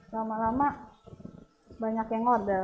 lama lama banyak yang order